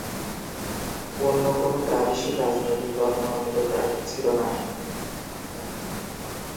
অন্য কোন প্রাদেশিক রাজনৈতিক দল মনোনীত প্রার্থী ছিল না।